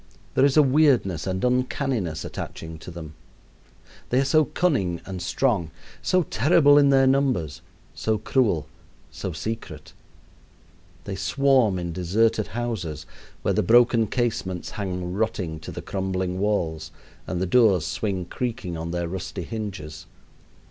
There is a weirdness and uncanniness attaching to them. They are so cunning and strong, so terrible in their numbers, so cruel, so secret. They swarm in deserted houses, where the broken casements hang rotting to the crumbling walls and the doors swing creaking on their rusty hinges.